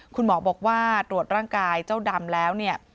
คุณหมอบอกว่าตรวจร่างกายเจ้าดำแล้วเนี่ย